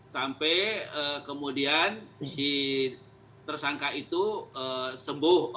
sampai kemudian si tersangka itu sembuh